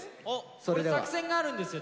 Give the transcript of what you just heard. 俺作戦があるんですよ